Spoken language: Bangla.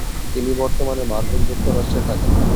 তিনি বর্তমানে মার্কিন যুক্তরাষ্ট্রে থাকেন।